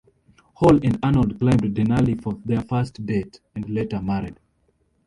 Hall and Arnold climbed Denali for their first date and later married.